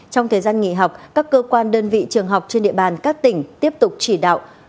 trong thời gian nghỉ học các cơ quan đơn vị trường học trên địa bàn các tỉnh tiếp tục chỉ đạo